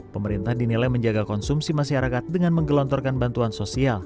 pemerintah dinilai menjaga konsumsi masyarakat dengan menggelontorkan bantuan sosial